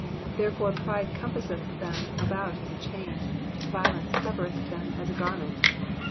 6 Therefore pride compasseth them about as a chain ; violence covereth them as a garment.